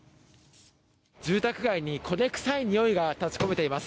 住宅街に焦げ臭いにおいが立ち込めています。